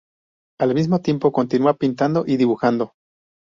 Al mismo tiempo continúa pintando y dibujando.